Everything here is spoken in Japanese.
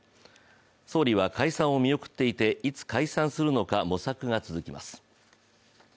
総理は解散を見送っていていつ解散をするのか模索が続きます。